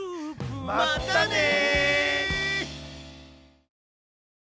またね！